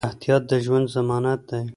احتیاط د ژوند ضمانت دی.